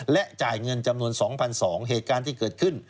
และจ่ายเงินจำนวน๒๒๐๐เหตุการณ์ที่เกิดขึ้น